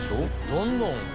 どんどん。